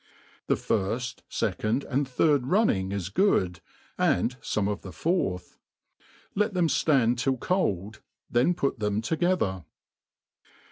The iirft, fecond, and third running is good, and fome of the fourth. Let them ftand till cold, then put them together.